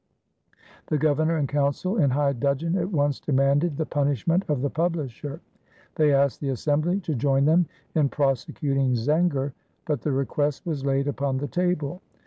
The Governor and Council in high dudgeon at once demanded the punishment of the publisher. They asked the Assembly to join them in prosecuting Zenger, but the request was laid upon the table.